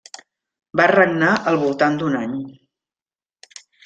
Va regnar al voltant d'un any.